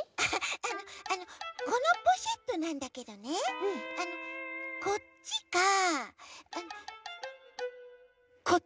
あのあのこのポシェットなんだけどねあのこっちかこっち？